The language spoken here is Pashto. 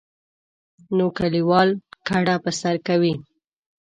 نو کلیوال کډه په سر کوي.